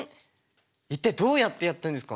一体どうやってやってんですか？